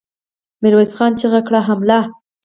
ميرويس خان چيغه کړه! حمله!